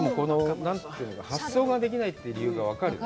発送ができない理由が分かる。